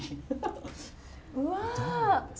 うわ！